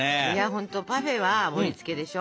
ほんとパフェは盛りつけでしょ？